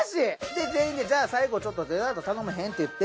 で全員でじゃあ最後ちょっとデザート頼まへんって言って。